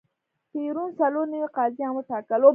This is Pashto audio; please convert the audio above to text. پېرون څلور نوي قاضیان وټاکل.